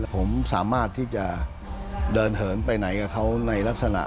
ผมสามารถที่จะเดินเหินไปไหนกับเขาในลักษณะ